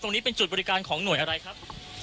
ตรงนี้เป็นจุดบริการของหน่วยอะไรครับ